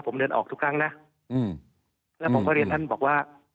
ผมเดินออกทุกครั้งนะอืมแล้วผมก็เรียนท่านบอกว่า